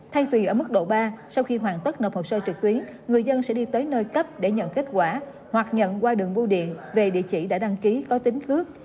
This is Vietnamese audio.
thay vì ở mức độ ba sau khi hoàn tất nộp hồ sơ trực tuyến người dân sẽ đi tới nơi cấp để nhận kết quả hoặc nhận qua đường bưu điện về địa chỉ đã đăng ký có tính cước